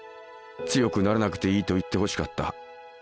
強くならなくていいと言ってほしかった。